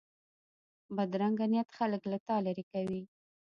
بدرنګه نیت خلک له تا لرې کوي